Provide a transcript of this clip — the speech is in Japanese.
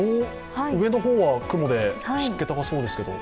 上の方は雲で湿気が高そうですけど？